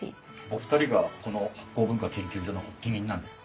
お二人がこの醗酵文化研究所の発起人なんです。